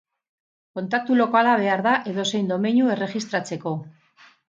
Kontaktu lokala behar da edozein domeinu erregistratzeko.